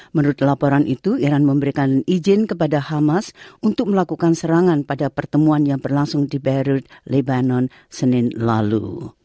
menurut laporan itu iran memberikan izin kepada hamas untuk melakukan serangan pada pertemuan yang berlangsung di berird lebanon senin lalu